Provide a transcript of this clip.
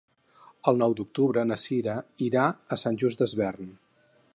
El nou d'octubre na Cira irà a Sant Just Desvern.